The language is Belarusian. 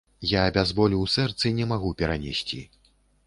Я без болю ў сэрцы не магу перанесці.